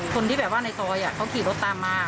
คนที่แบบว่าในซอยเขาขี่รถตามมา